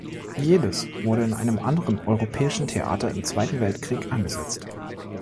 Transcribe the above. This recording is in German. Jedes wurde in einem anderen europäischen Theater im Zweiten Weltkrieg angesetzt.